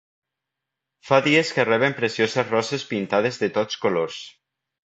Fa dies que rebem precioses roses pintades de tots colors.